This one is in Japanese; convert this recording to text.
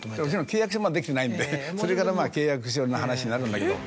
契約書まだできてないんでそれから契約書の話になるんだけど。